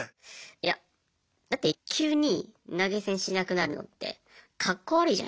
いやだって急に投げ銭しなくなるのってカッコ悪いじゃないすか。